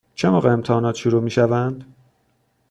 چه موقع امتحانات شروع می شوند؟